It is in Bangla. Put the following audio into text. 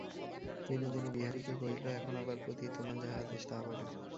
বিনোদিনী বিহারীকে কহিল, এখন আমার প্রতি তোমার যাহা আদেশ, তাহা বলো।